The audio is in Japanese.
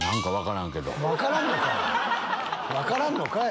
分からんのかい！